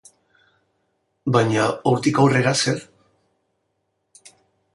Baina, hortik aurrera zer?